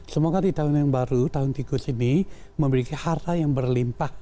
semoga di tahun yang baru tahun tiga sini memberikan harta yang berlimpah